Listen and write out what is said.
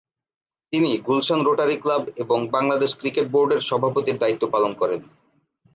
তিনি Gulshan Rotary Club এবং Bangladesh cricket বোর্ডের সভাপতির দায়িত্ব পালন করেন।